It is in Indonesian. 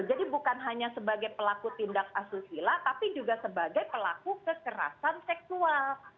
jadi bukan hanya sebagai pelaku tindak asusila tapi juga sebagai pelaku kekerasan seksual